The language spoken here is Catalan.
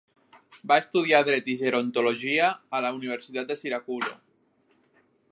Va estudiar Dret i Gerontologia a la Universitat de Syracuse.